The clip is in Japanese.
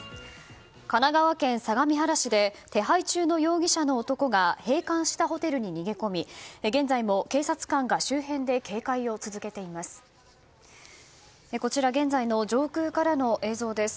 神奈川県相模原市で手配中の容疑者の男が閉館したホテルに逃げ込み現在も警察官が周辺で警戒を続けています。